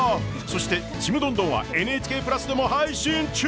そして「ちむどんどん」は「ＮＨＫプラス」でも配信中！